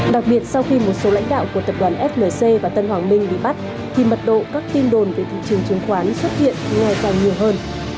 đặc biệt sau khi một số lãnh đạo của tập đoàn flc và tân hoàng minh bị bắt thì mật độ các tin đồn về thị trường chứng khoán xuất hiện ngày càng nhiều hơn